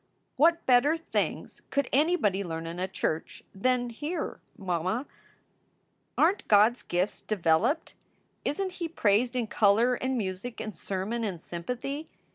"What better things could anybody learn in a church than here, mamma? Aren t God s gifts developed? Isn t he praised in color and music and sermon and sympathy?